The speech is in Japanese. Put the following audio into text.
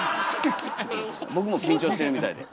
僕も緊張してるみたいで。